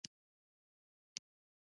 د ژوند لمړنۍ ضرورت تعلیم دی